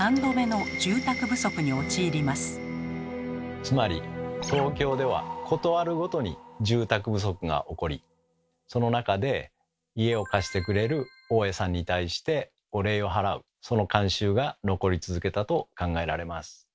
３度目のつまり東京では事あるごとに住宅不足が起こりその中で家を貸してくれる大家さんに対してお礼を払うという慣習が残り続けたと考えられます。